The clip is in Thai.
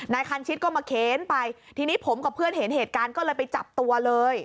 คันชิดก็มาเค้นไปทีนี้ผมกับเพื่อนเห็นเหตุการณ์ก็เลยไปจับตัวเลย